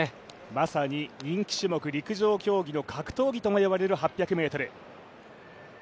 まさに人気種目陸上競技の格闘技とも呼ばれる８００ｍ。